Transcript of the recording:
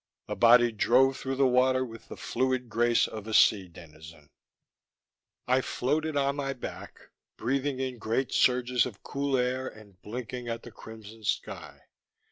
_ The body drove through the water with the fluid grace of a sea denizen.... I floated on my back, breathing in great surges of cool air and blinking at the crimson sky.